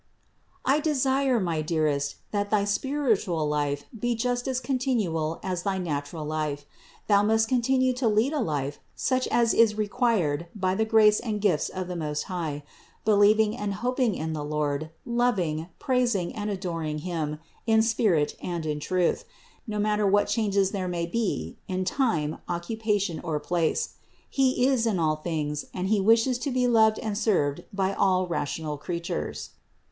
I desire, my dearest, that thy spiritual life be just as continual as thy natural life. Thou must continue to lead a life such as is required by the grace and gifts of the Most High, believing and hoping in the Lord, loving, praising and adoring Him in spirit and in truth, no THE INCARNATION 257 matter what changes there may be in time, occupation or place, He is in all things and He wishes to be loved and served by all rational creatures.